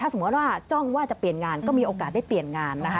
สมมุติว่าจ้องว่าจะเปลี่ยนงานก็มีโอกาสได้เปลี่ยนงานนะคะ